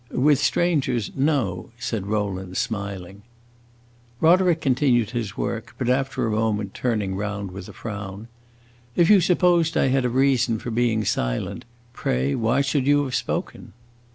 "With strangers no!" said Rowland, smiling. Roderick continued his work; but after a moment, turning round with a frown: "If you supposed I had a reason for being silent, pray why should you have spoken?"